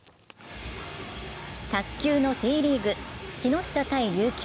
卓球のＴリーグ、木下×琉球。